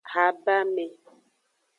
Habame.